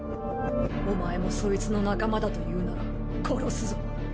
お前もソイツの仲間だというなら殺すぞ。